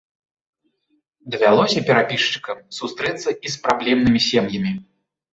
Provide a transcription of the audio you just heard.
Давялося перапісчыкам сустрэцца і з праблемнымі сем'ямі.